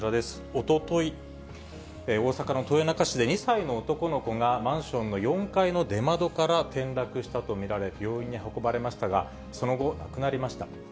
おととい、大阪の豊中市で、２歳の男の子がマンションの４階の出窓から転落したと見られ、病院に運ばれましたが、その後、亡くなりました。